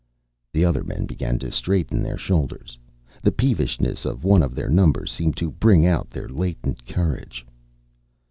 The other men began to straighten their shoulders. The peevishness of one of their number seemed to bring out their latent courage.